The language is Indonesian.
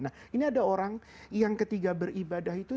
nah ini ada orang yang ketika beribadah itu